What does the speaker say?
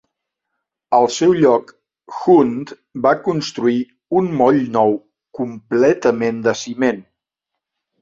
Al seu lloc, Hunt va construir un moll nou completament de ciment.